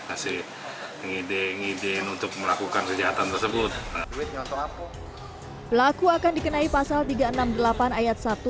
kasih ngide ngideng untuk melakukan kejahatan tersebut pelaku akan dikenai pasal tiga ratus enam puluh delapan ayat satu